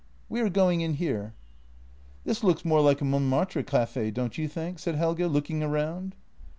We are going in here." " This looks more like a Montmartre café, don't you think? " said Helge, looking around.